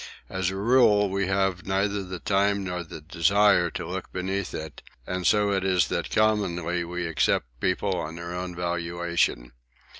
As a rule we have neither the time nor the desire to look beneath it, and so it is that commonly we accept people on their own valuation.